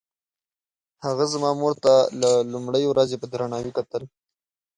هغه زما مور ته له لومړۍ ورځې په درناوي کتل.